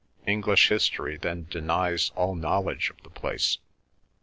English history then denies all knowledge of the place.